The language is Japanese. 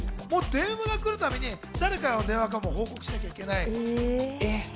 電話が来るたびに誰からの電話かも報告しなきゃいけない。